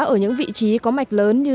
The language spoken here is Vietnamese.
ở những vị trí có mạch lớn như